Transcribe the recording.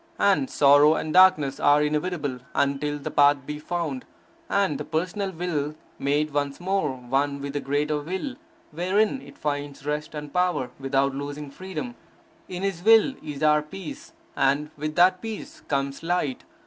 And sorrow and darkness are inevitable, until the path be found, and the personal will made once more one with the greater Will, wherein it finds rest and power, without losing freedom. In His will is our peace. And with that peace comes light.